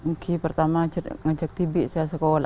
oke pertama ngajak tibik saya sekolah